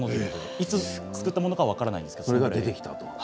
いつ作ったものか分からないんですが出てきました。